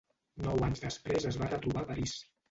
Nou anys després es van retrobar a París.